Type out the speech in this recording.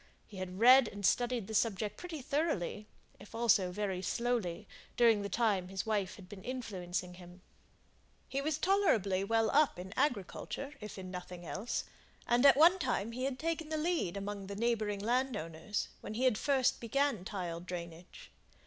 He had read and studied the subject pretty thoroughly, if also very slowly, during the time his wife had been influencing him. He was tolerably well up in agriculture, if in nothing else; and at one time he had taken the lead among the neighbouring landowners, when he first began tile drainage.